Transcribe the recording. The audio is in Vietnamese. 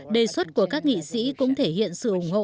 đề xuất của các nghị sĩ cũng thể hiện sự ủng hộ